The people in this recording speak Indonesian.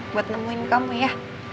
buat nemuin kamu ya